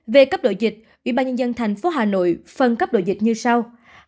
về cấp độ dịch ubnd tp hà nội phân cấp độ dịch như sau